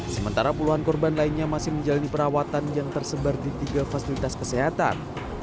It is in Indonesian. sementara puluhan korban lainnya masih menjalani perawatan yang tersebar di tiga fasilitas kesehatan